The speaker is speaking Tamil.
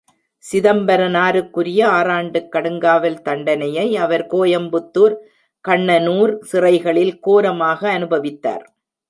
சிதம்பரனாருக்குரிய ஆறாண்டுக் கடுங்காவல் தண்டனையை, அவர் கோயம்புத்துர், கண்ணனூர் சிறைகளில் கோரமாக அனுபவித்தார்.